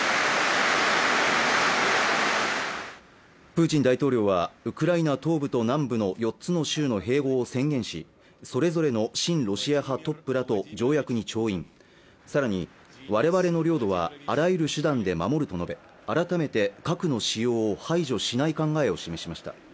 プーチン大統領はウクライナ東部と南部の４つの州の併合を宣言しそれぞれの親ロシア派トップらと条約に調印さらにわれわれの領土はあらゆる手段で守ると述べ改めて核の使用を排除しない考えを示しました